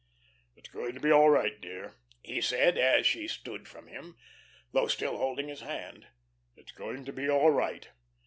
"It's going to be all right, dear," he said, as she stood from him, though still holding his hand. "It's going to be all right."